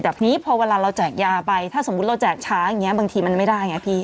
แต่ทีนี้พอเวลาเราแจกยาไปถ้าสมมุติเราแจกช้าอย่างนี้บางทีมันไม่ได้ไงพี่